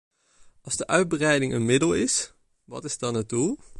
Als de uitbreiding een middel is, wat is dan het doel?